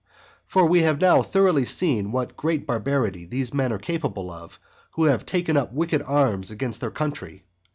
For we have now thoroughly seen what great barbarity these men are capable of who have taken up wicked arms against their country.